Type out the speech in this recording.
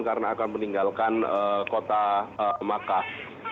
karena akan meninggalkan kota makkah